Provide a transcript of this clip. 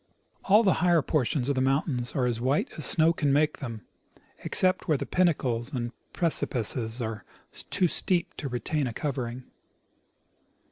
All the higher portions of the mountains are white as snow can make them, except where the pinnacles and precipices are too steep to retain a covering.